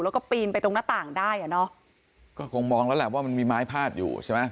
แล้วก็ปีนไปตรงหน้าต่างได้อ่ะเนอะก็คงมองแล้วแหละว่ามันมีไม้พาดอยู่ใช่ไหม